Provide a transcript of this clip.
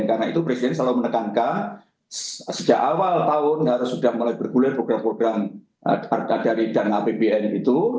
karena itu presiden selalu menekankan sejak awal tahun harus sudah mulai bergulir program program dari dana apbn itu